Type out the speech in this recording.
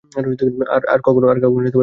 আর কখনও বাড়ির বাইরে যাবে না!